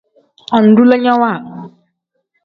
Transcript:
Andulinyawa.